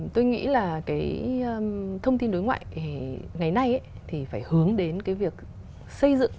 tôi nghĩ là cái thông tin đối ngoại ngày nay thì phải hướng đến cái việc xây dựng